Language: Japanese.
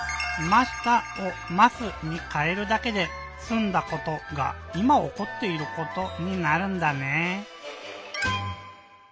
「ました」を「ます」にかえるだけですんだことがいまおこっていることになるんだねぇ。